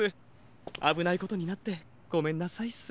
あぶないことになってごめんなさいっす。